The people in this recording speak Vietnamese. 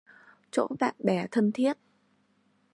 Chỗ bạn bè thân thiết